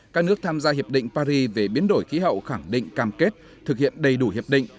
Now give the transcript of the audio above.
các nước tham gia hiệp định paris về biến đổi khí hậu khẳng định cam kết thực hiện đầy đủ hiệp định